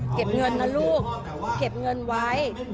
เก็บเงินนะลูกเก็บเงินไว้